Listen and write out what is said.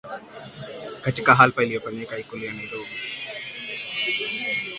katika hafla iliyofanyika Ikulu ya Nairobi